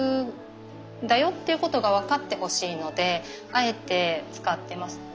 でのであえて使ってます。